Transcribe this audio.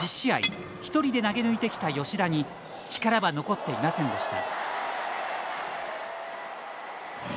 一人で投げ抜いてきた吉田に力は残っていませんでした。